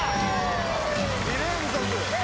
２連続！